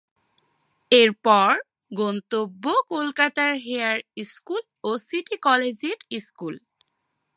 এরপর গন্তব্য কোলকাতার হেয়ার স্কুল ও সিটি কলেজিয়েট স্কুল।